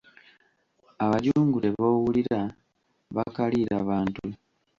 "Abajungute b’owulira, bakaliira bantu."